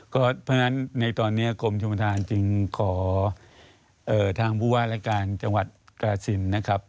เพราะฉะนั้นในตอนนี้กรมชมธานจึงขอทางผู้ว่ารายการจังหวัดกราศิลป์นะครับ